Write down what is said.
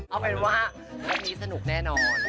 เอาเป็นว่าวันนี้สนุกแน่นอน